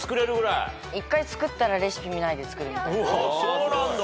そうなんだ！